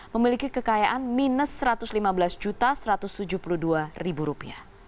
memiliki kekayaan minus rp satu ratus lima belas satu ratus tujuh puluh dua